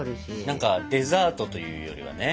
何かデザートというよりはね。